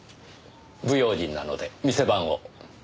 不用心なので店番を。